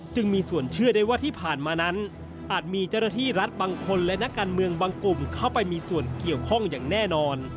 จึงมีส่วนเชื่อได้ว่าที่ผ่านมานั้นอาจมีเจ้าหน้าที่รัฐบางคนและนักการเมืองบางกลุ่มเข้าไปมีส่วนเกี่ยวข้องอย่างแน่นอน